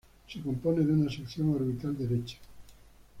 Se compone de una sección orbital derecha.